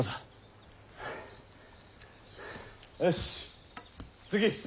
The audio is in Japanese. よし次。